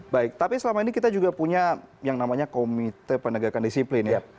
baik tapi selama ini kita juga punya yang namanya komite penegakan disiplin ya